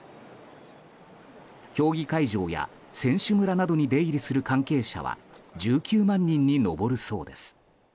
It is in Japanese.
競技会場や選手村などに出入りする関係者は１９万人に上るそうです。